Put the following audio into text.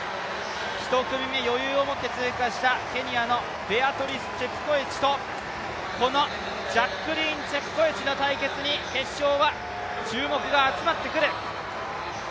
１組目、余裕をもって通過したケニアのベアトリス・チェプコエチとジャックリーン・チェプコエチの対決に決勝は注目が集まってくる。